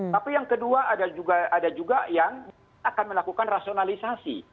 tapi yang kedua ada juga yang akan melakukan rasionalisasi